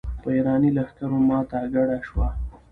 په اېراني لښکرو ماته ګډه شوه.